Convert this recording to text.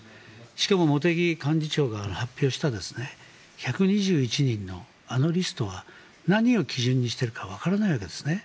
しかも茂木幹事長が発表した１２１人のあのリストは何を基準にしているかわからないわけですね。